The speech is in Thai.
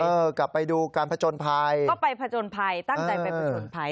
กลับไปดูการผจญภัยก็ไปผจญภัยตั้งใจไปผจญภัย